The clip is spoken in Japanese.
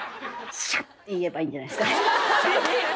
「シャ！」って言えばいいんじゃないですかね